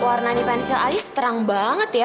kok warna di pinsil alis terang banget ya